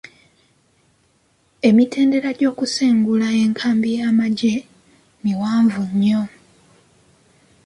Emitendera gy'okusengula enkambi y'amagye miwanvu nnyo.